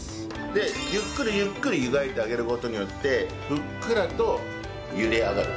でゆっくりゆっくり湯がいてあげる事によってふっくらと茹で上がる。